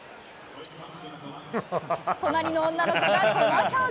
隣の女の子がこの表情。